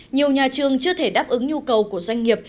nhiều nhà trường chưa thể đáp ứng nhu cầu của doanh nghiệp